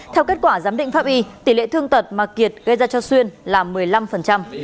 theo kết quả giám định pháp y tỷ lệ thương tật mà kiệt gây ra cho xuyên là một mươi năm